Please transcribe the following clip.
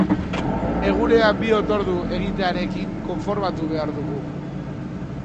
Egunean bi otordu egitearekin konformatu behar dugu.